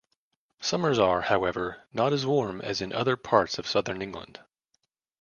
Summers are, however, not as warm as in other parts of southern England.